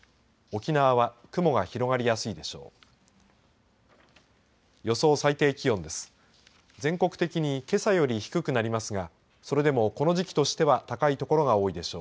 沖縄は雲が広がりやすいでしょう。